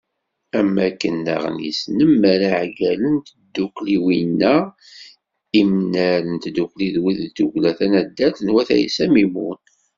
Am wakken daɣen yesnemmer iɛeggalen n tdukkliwin-a Imnar n Tdukli d wid n tdukkla tanaddalt n wat Ɛisa Mimun.